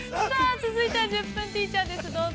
◆続いては「１０分ティーチャー」です、どうぞ。